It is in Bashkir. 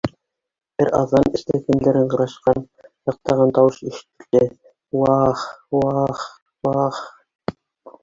Бер аҙҙан эстә кемдер ыңғырашҡан, һыҡтаған тауыш ишетелде: «Уахх, уахх, уахх!»